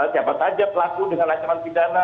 siapa saja pelaku dengan ancaman pidana